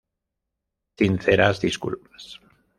Sinceras disculpas".